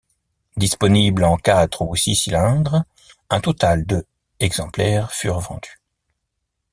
Disponible en quatre ou six cylindres, un total de exemplaires furent vendus.